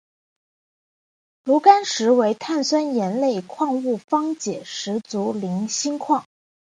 炉甘石为碳酸盐类矿物方解石族菱锌矿。